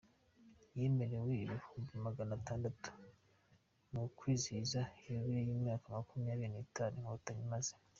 Yemerewe ibihumbi magana atandatu mu kwizihiza yubile y’imyaka makumyabiri nitanu Inkotanyi imaze